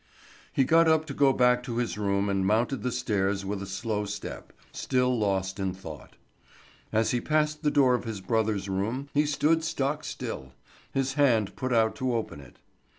He got up to go back to his room and mounted the stairs with a slow step, still lost in thought. As he passed the door of his brother's room he stood stock still, his hand put out to open it.